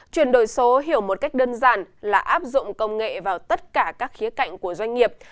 chuyển đổi số hiểu một cách đơn giản là áp dụng công nghệ vào tất cả các khía cạnh của doanh nghiệp